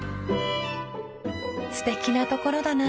［すてきなところだな］